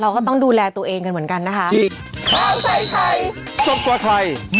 ก็ต้องดูแลตัวเองกันเหมือนกันนะคะ